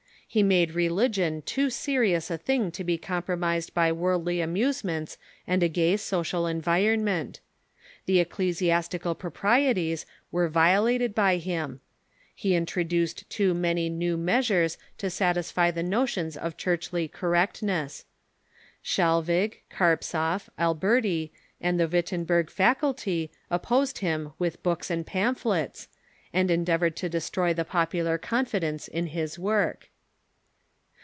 He made religion too serious a thing to be com promised by worldly amusements and a gay social environ ment. The ecclesiastical proprieties were violated by him. He introduced too many new measui'es to satisfy the notions of churchly correctness. Schelvig, Carpzov, Alberti, and the Wittenberg faculty opposed him with books and pamphlets, and endeavored to destroy the popular confidence in his work.